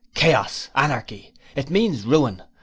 Chaos! Anarchy! It means Ruin!